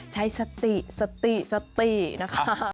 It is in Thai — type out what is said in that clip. ใช้สติสติสติสตินะคะ